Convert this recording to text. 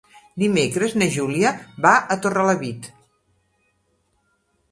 Dimecres na Júlia va a Torrelavit.